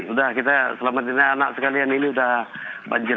udah kita selamatin anak sekalian ini udah banjir